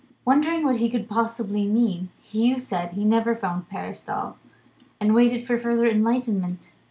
Wondering what he could possibly mean, Hugh said he never found Paris dull and waited for further enlightenment.